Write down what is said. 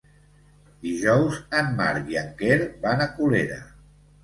Dijous en Marc i en Quer van a Colera.